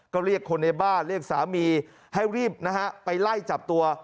ก็เรียกคนในบ้านเรียกสามีให้รีบนะฮะไปไล่จับตัว